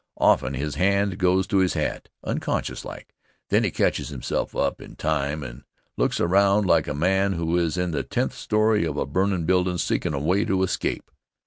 Often his hand goes to his hat, unconscious like, then he catches himself up in time and looks around like a man who is in the tenth story of a burnin' building' seekin' a way to escape.